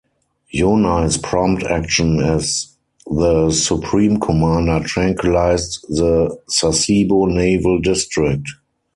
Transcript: Yonai's prompt action as the supreme commander tranquilized the Sasebo Naval District.